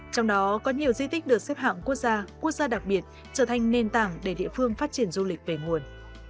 trong đó có nhiều di tích được xếp hạng quốc gia quốc gia đặc biệt trở thành nền tảng để địa phương phát triển du lịch về nguồn